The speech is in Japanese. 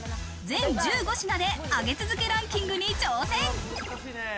全１５品で上げ続けランキングに挑戦。